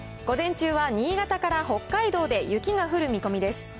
午前中は新潟から北海道で雪が降る見込みです。